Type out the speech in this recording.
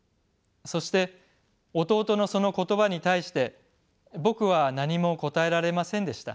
そして弟のその言葉に対して僕は何も答えられませんでした。